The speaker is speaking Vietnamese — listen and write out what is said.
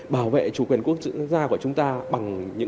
bảo vệ chủ quyền quốc gia của chúng ta bằng những hành động